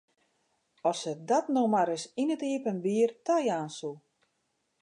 As se dat no mar ris yn it iepenbier tajaan soe!